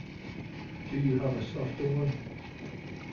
Do you have a softer one?